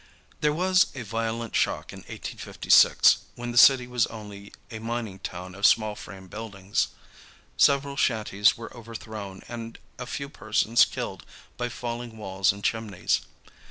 There was a violent shock in 1856, when the city was only a mining town of small frame buildings. Several shanties were overthrown and a few persons killed by falling walls and chimneys.